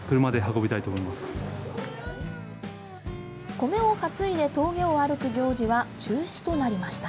米を担いで峠を歩く行事は中止となりました。